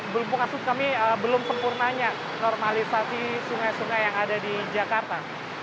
belum maksud kami belum sempurnanya normalisasi sungai sungai yang ada di jakarta